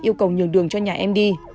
yêu cầu nhường đường cho nhà em đi